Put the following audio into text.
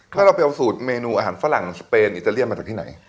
แล้วเราไปเอาสูตรเมนูอาหารฝรั่งสเปนอิตาเลียนมาจากที่ไหน